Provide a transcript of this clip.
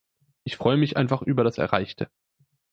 Ich freue mich einfach über das Erreichte.